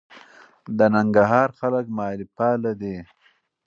د ننګرهار خلک معارف پاله دي.